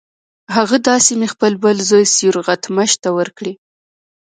هغه دا سیمې خپل بل زوی سیورغتمش ته ورکړې.